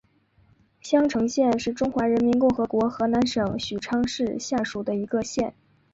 襄城县是中华人民共和国河南省许昌市下属的一个县。